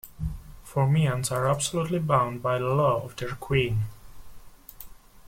Formians are absolutely bound by the law of their queen.